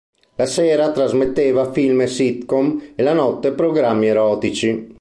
La sera trasmetteva film e sitcom e la notte programmi erotici.